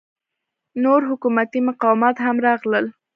نور حکومتي مقامات هم راغلل.